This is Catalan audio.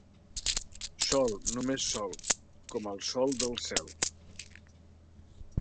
Sol, només Sol, com el sol del cel.